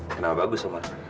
kenapa bagus uma